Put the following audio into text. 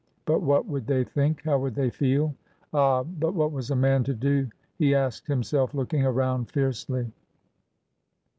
But what would they think? how would they feel? Ah! — But what was a man to do? he asked himself, looking around fiercely.